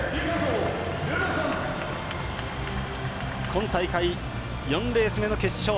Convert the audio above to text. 今大会、４レース目の決勝。